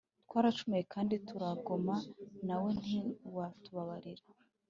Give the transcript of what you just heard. “Twaracumuye kandi turagoma, Nawe ntiwatubabarira.